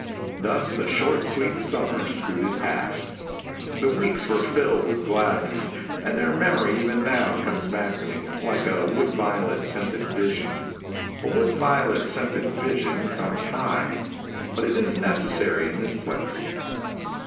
Thus the short, sweet summer scooted past. The weeks were filled with gladness, and their memory even now comes back to me, like a wood violet scented vision. A wood violet scented vision comes high, but it is necessary in this place.